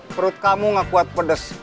perut kamu gak kuat pedas